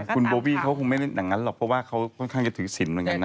คุณโบบี่เขาคงไม่แบนแบบนั้นหรอกเพราะว่าเขาค่อนข้างจะถือสินเวลานั้นนะ